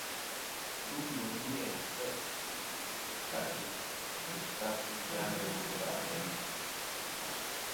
Ghɨlûmnɨ ni-a se' sɨ ɨwi a kfiyn sɨ kfa sɨ zha ndosɨ ateyn.